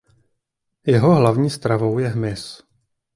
Jeho hlavní stravou je hmyz.